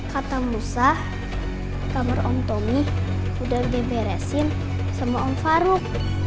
kata musa kamar om tomik udah diberesin sama om faruk